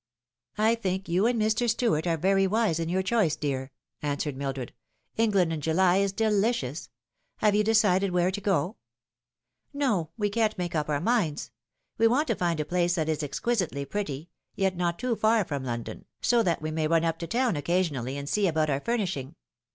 "I think you and Mr. Stuart are very wise in your choice, dear," answered Mildred. " England in July is delicious. Have you decided where to go ?"" No, we can't make up our minds. We want to find a place that is exquisitely pretty yet not too far from London, so that we may run up to town occasionally and see about our furnish 324 The Fatal Three. ing.